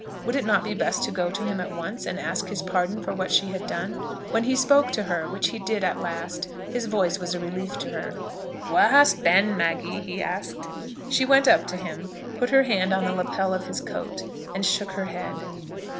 Would it not be best to go to him at once, and ask his pardon for what she had done? When he spoke to her, which he did at last, his voice was a relief to her. "Where hast been, Maggie?" he asked. She went up to him, put her hand on the lappet of his coat and shook her head.